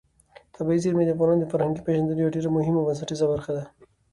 طبیعي زیرمې د افغانانو د فرهنګي پیژندنې یوه ډېره مهمه او بنسټیزه برخه ده.